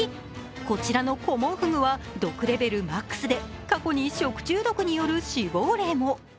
こちらのコモンフグは毒レベルマックスで過去に食中毒による死亡例も。